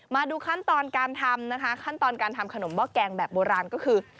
มาดูขั้นตอนการทำนะคะขั้นตอนการทำขนมหม้อแกงแบบโบราณก็คือ